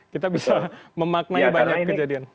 kita bisa memaknai banyak kejadian